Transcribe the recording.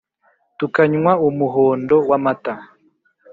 tukanywa umuhondo.wamata